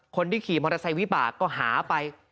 คนที่ขี่มอเตอร์ไซค์วิบากก็หาไป